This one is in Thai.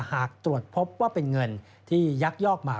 หากตรวจพบว่าเป็นเงินที่ยักยอกมา